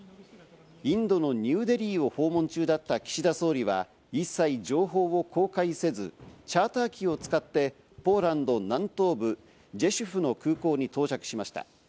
インドのニューデリーを訪問中だった岸田総理は、一切情報を公開せず、チャーター機を使ってポーランド南東部、ジェシュフの空港に到着しました。